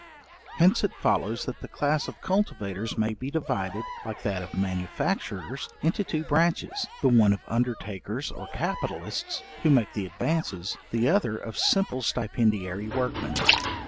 Hence it follows, that the class of cultivators may be divided, like that of manufacturers, into two branches, the one of undertakers or capitalists, who make the advances, the other of simple stipendiary workmen.